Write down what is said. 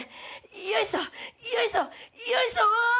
よいしょよいしょよいしょ！